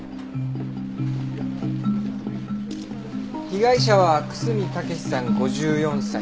被害者は楠見武さん５４歳。